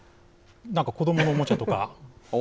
子どものおもちゃとか。